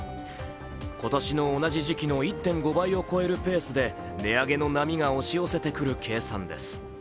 今年の同じ時期の１．５倍を超えるペースで値上げの波が押し寄せてくる計算です。